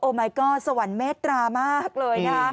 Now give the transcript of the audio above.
โอ้มายก็อดสวรรค์เมตรามากเลยนะ